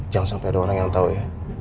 jangan sampai ada orang yang tahu ya